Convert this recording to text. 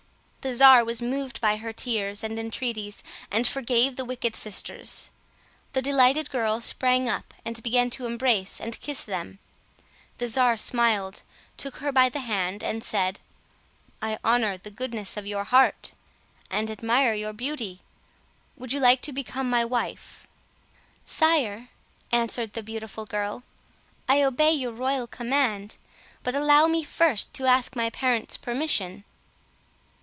The czar was moved by her tears and entreaties and forgave the wicked sisters; the delighted girl sprang up and began to embrace and kiss them. The czar smiled, took her by the hand and said, "I honor the goodness of your heart, and admire your beauty. Would you like to become my wife?" "Sire," answered the beautiful girl, "I obey your royal command; but allow me first to ask my parents' permission."